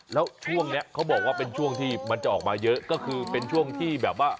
แล้วช่วงนี้เขาบอกว่าเป็นช่วงที่มันจะออกมาเยอะก็คือเป็นช่วงที่แบบว่า